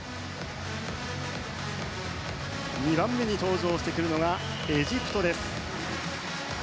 ２番目に登場してくるのがエジプトです。